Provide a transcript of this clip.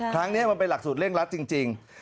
ครั้งนี้มันเป็นหลักสูตรเร่งรัดจริง